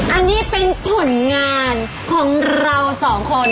อันนี้เป็นผลงานของเราสองคน